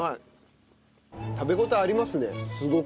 食べ応えありますねすごく。